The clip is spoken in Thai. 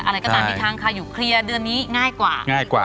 อะไรก็ตามที่ทางคาอยู่เคลียร์เดือนนี้ง่ายกว่า